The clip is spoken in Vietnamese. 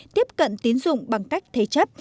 tiếp cận tín dụng bằng cách thế chấp